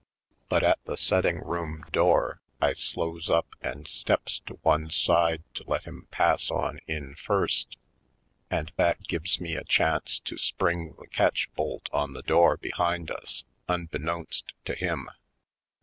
But at the setting room door I slows up and steps to one side to let him pass on in first and that gives me a chance to spring the catch bolt on the door behind us, unbeknownst to him.